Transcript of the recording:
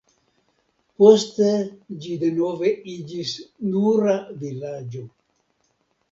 Poste ĝi denove iĝis nura vilaĝo.